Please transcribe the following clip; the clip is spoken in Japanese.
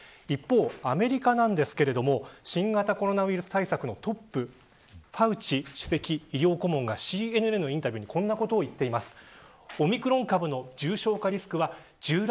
一方、アメリカなんですけれども新型コロナウイルス対策のトップファウチ首席医療顧問がＣＮＮのインタビューでこんなことを言っています。